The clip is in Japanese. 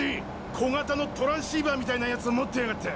小型のトランシーバーみたいなヤツを持ってやがった！